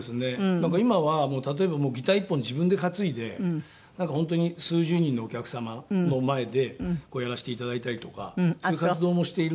なんか今は例えばギター１本自分で担いでなんか本当に数十人のお客様の前でやらせていただいたりとかそういう活動もしているので。